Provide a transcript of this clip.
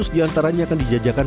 diantaranya akan dijajakan